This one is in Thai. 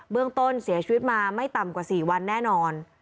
เรื่องต้นเสียชีวิตมาไม่ต่ำกว่า๔วันแน่นอน